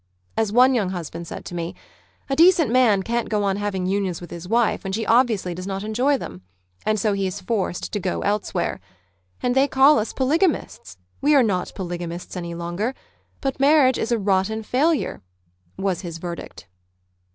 As one young husband said to me, " A decent man can't go on having unions with his wife when she obviously does not enjoy them," and so he is forced to « go elsewhere." " And they call us polygamists ' We are not polygamists any longer. But marriage is a rotten failure," was his verdict.